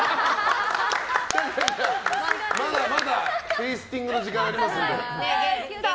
まだテイスティングの時間ありますので。